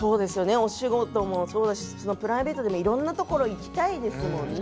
お仕事もそうだしプライベートでもいろんなところ行きたいですものね。